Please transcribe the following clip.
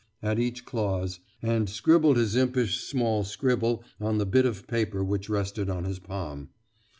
at each clause, and scribbled his impish small scribble on the bit of paper which rested on his palm.